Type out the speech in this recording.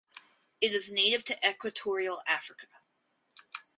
It is native to equatorial Africa.